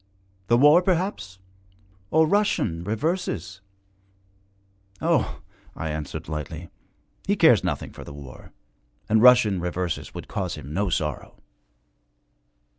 'The war perhaps? or Russian reverses?' 'Oh,' I answered lightly, 'he cares nothing for the war, and Russian reverses would cause him no sorrow.'